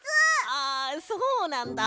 あそうなんだ。